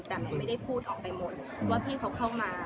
แต่มันไม่ได้พูดออกไปหมดว่าพี่เขาเข้ามา